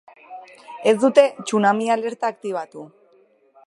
Ez dute tsunami alerta aktibatu.